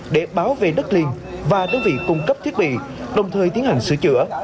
để báo về đất liền và đơn vị cung cấp thiết bị đồng thời tiến hành sửa chữa